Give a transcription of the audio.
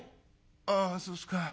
「ああそうすか。